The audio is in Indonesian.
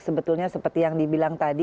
sebetulnya seperti yang dibilang tadi